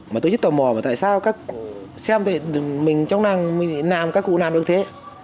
mà tôi rất tò mò mà tại sao các xem mình trong làng mình làm các cụ làm được thế